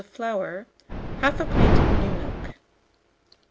of flour, 1/2 pint of new milk.